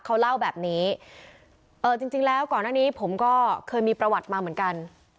เขาเล่าแบบนี้เออจริงแล้วก่อนหน้านี้ผมก็เคยมีประวัติมาเหมือนกัน